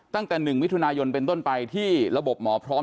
ตั้งแต่๑มิถุนายนเป็นต้นไปที่ระบบหมอพร้อม